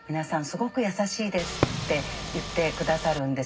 すごく優しいです」って言ってくださるんですね。